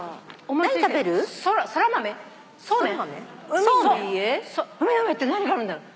海の家って何があるんだろう？